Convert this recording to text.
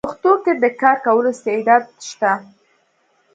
پښتو کې د کار کولو استعداد شته: